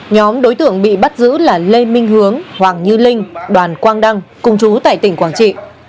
nhóm đối tượng bị bắt giữ là lê minh hướng hoàng như linh đoàn quang đăng cùng chú tại tỉnh quảng trị